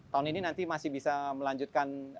tahun ini nanti masih bisa melanjutkan